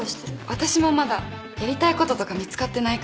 私もまだやりたいこととか見つかってないから。